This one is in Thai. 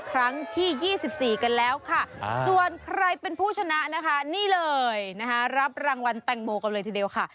ใครเป็นผู้ชนะนะคะนี่เลยรับรางวัลแต่งโบกันเลยทีเดียวค่ะ